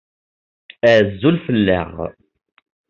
Azul fell-aɣ.